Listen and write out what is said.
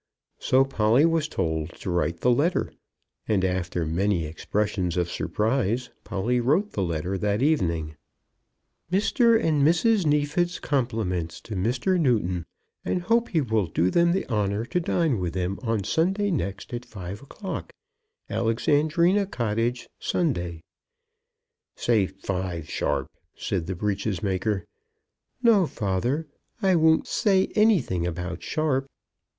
So Polly was told to write the letter, and after many expressions of surprise, Polly wrote the letter that evening. "Mr. and Mrs. Neefit's compliments to Mr. Newton, and hope he will do them the honour to dine with them on Sunday next at five o'clock. Alexandrina Cottage, Sunday." "Say five sharp," said the breeches maker. "No, father, I won't, say anything about sharp."